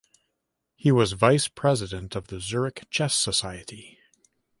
He was Vice President of the Zurich Chess Society.